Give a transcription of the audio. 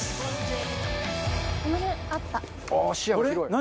何？